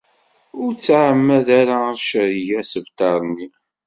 Ur tt-tεemmed ara tcerreg asebter-nni.